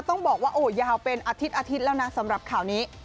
ต้องบอกว่าโอ้ยาวเป็นอาทิตอาทิตย์แล้วนะสำหรับข่าวนี้